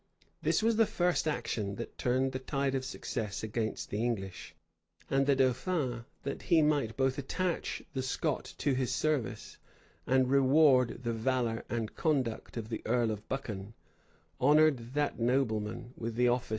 [] This was the first action that turned the tide of success against the English; and the dauphin, that he might both attach the Scotch to his service, and reward the valor and conduct of the earl of Buchan, honored that nobleman with the office of constable.